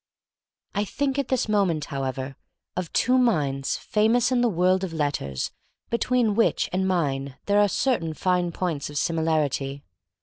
I think at this moment, however, of two minds famous in the world of let ters between which and mine there are certain fine points of similarity.